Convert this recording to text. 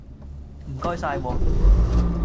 唔該晒喎